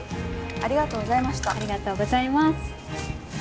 ありがとうございます。